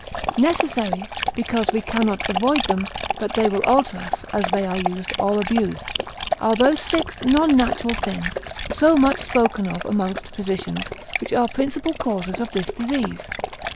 Necessary (because we cannot avoid them, but they will alter us, as they are used, or abused) are those six non natural things, so much spoken of amongst physicians, which are principal causes of this disease.